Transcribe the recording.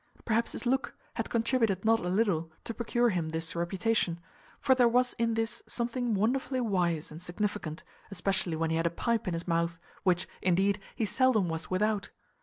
Perhaps his look had contributed not a little to procure him this reputation; for there was in this something wonderfully wise and significant, especially when he had a pipe in his mouth; which, indeed, he seldom was without.